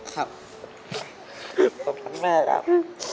ขอบคุณแม่ครับ